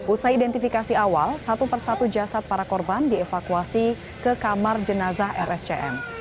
usai identifikasi awal satu persatu jasad para korban dievakuasi ke kamar jenazah rscm